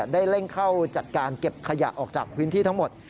ได้เร่งเข้าจัดการเก็บขยะออกจากพื้นที่ทั้งหมด